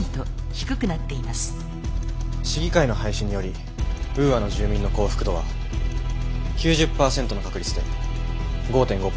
市議会の廃止によりウーアの住民の幸福度は９０％の確率で５．５ポイント上昇します。